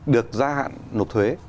được gia hạn nộp thuế